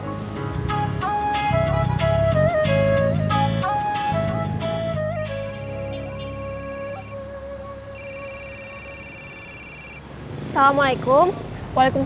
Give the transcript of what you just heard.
tak usah wasting your time